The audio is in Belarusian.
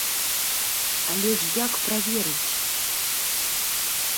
Але ж як праверыць?